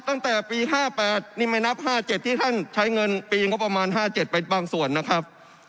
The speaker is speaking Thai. ตั้งแต่ปี๕๘นี่ไม่นับ๕๗ที่ท่านใช้เงินปีงบประมาณ๕๗ไปบางส่วนนะครับ